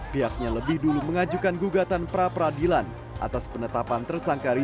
pihaknya lebih dulu mengajukan gugatan pra peradilan atas penetapan tersangka rizik